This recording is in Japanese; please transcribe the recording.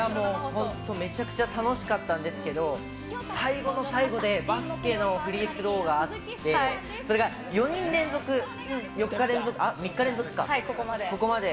めちゃくちゃ楽しかったんですけど、最後の最後でバスケのフリースローがあって、それが４人連続、ここまで。